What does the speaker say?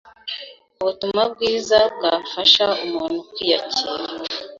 Ubutumwa bwiza bwafasha umuntu kwiyakira